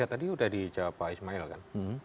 tadi sudah dijawab pak ismail kan